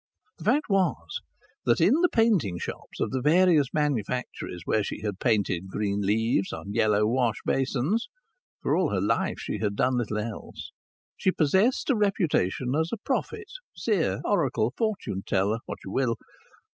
The fact was that in the painting shops of the various manufactories where she had painted green leaves on yellow wash basins (for in all her life she had done little else) she possessed a reputation as a prophet, seer, oracle, fortune teller what you will.